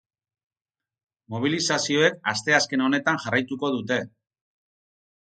Mobilizazioek asteazken honetan jarraituko dute.